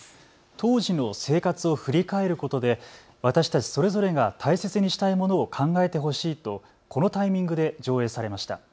当時の生活を振り返ることで私たちそれぞれが大切にしたいものを考えてほしいとこのタイミングで上映されました。